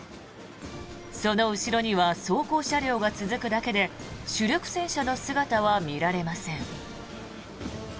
その後ろには装甲車両が続くだけで主力戦車の姿は見られません。